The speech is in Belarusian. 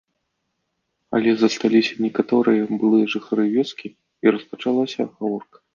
Але засталіся некаторыя былыя жыхары вёскі, і распачалася гаворка.